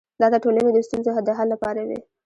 دا د ټولنې د ستونزو د حل لپاره وي.